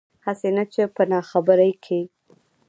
هسې نه چې پۀ ناخبرۍ کښې